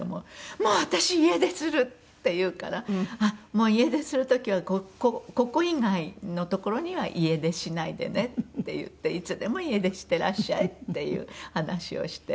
「もう私家出する！」って言うから「あっもう家出する時はここ以外の所には家出しないでね」って言って「いつでも家出してらっしゃい」っていう話をして。